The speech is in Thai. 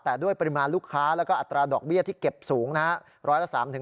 แต่ด้วยปริมาณลูกค้าแล้วก็อัตราดอกเบี้ยที่เก็บสูงนะครับ